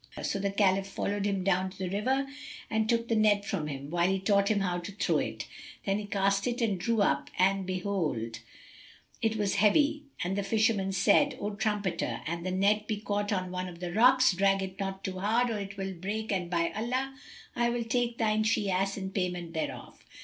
So the Caliph followed him down to the river and took the net from him, whilst he taught him how to throw it. Then he cast it and drew it up, when, behold, it was heavy, and the fisherman said, "O trumpeter, an the net be caught on one of the rocks, drag it not too hard, or 'twill break and by Allah, I will take thy she ass in payment thereof!"